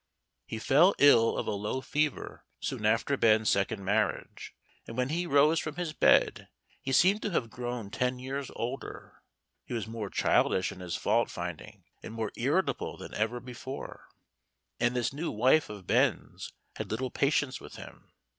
He fell ill of a low fever soon after Ben's second marriage, and when he rose from his bed he seemed to have grown ten years older. He was more childish in his fault finding, and more irritable than ever before, and this new wife of Ben's had little patience with him.